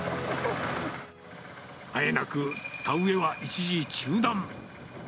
あえなく田植えは一時中断。